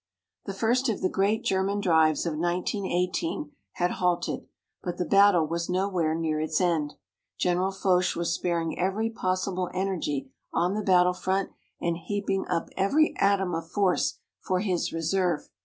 The first of the great German drives of 1918 had halted, but the battle was nowhere near its end. General Foch was sparing every possible energy on the battle front and heaping up every atom of force for his reserve.